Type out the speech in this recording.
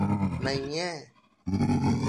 ในแง่